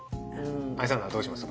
ＡＩさんならどうします？